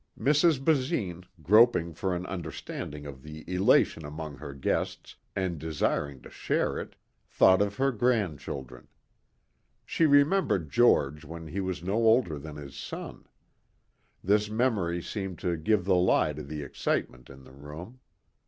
Mrs. Basine, groping for an understanding of the elation among her guests and desiring to share it, thought of her grandchildren. She remembered George when he was no older than his son. This memory seemed to give the lie to the excitement in the room.